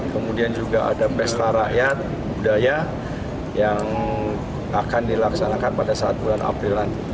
kemudian juga ada pesta rakyat budaya yang akan dilaksanakan pada saat bulan aprilan